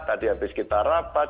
tadi habis kita rapat